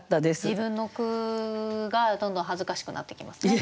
自分の句がどんどん恥ずかしくなってきますね。